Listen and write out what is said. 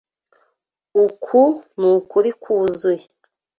Uku nukuri kwuzuye.